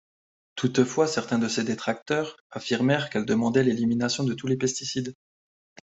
Toutefois, certains de ses détracteurs affirmèrent qu'elle demandait l'élimination de tous les pesticides.